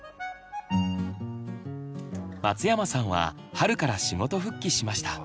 松山さんは春から仕事復帰しました。